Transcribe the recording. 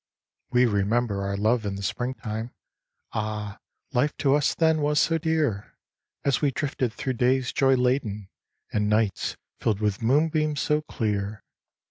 "We remember our love in the spring time— Ah, life to us then was so dear, As we drifted through days joy laden, And nights filled with moonbeams so clear.